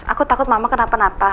aku takut mama kenapa napa